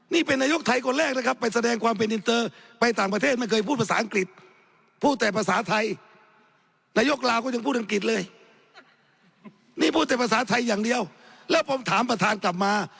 นี้พูดในภาษาไทยอย่างเดียวแล้วก็ถามประธานกลับมา